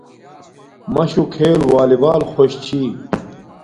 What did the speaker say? مَشُݸ کھݵل وݳلݵبݳل خݸش چھݵ.